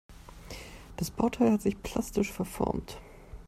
Das Bauteil hat sich plastisch verformt.